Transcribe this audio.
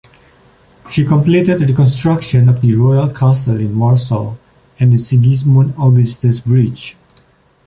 She completed reconstruction of the Royal Castle in Warsaw and the Sigismund Augustus Bridge.